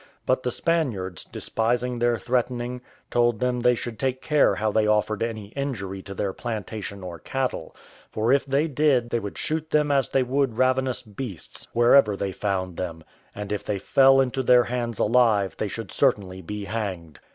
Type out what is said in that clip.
But the Spaniards, despising their threatening, told them they should take care how they offered any injury to their plantation or cattle; for if they did they would shoot them as they would ravenous beasts, wherever they found them; and if they fell into their hands alive, they should certainly be hanged.